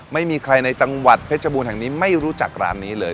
ไม่มีใครในจังหวัดเพชรบูรณแห่งนี้ไม่รู้จักร้านนี้เลย